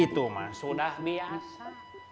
itu mah sudah biasa